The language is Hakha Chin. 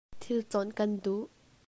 Thil conh ka'an duh.